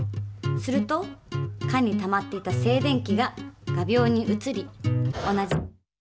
すると缶にたまっていた静電気が画びょうに移り同じ。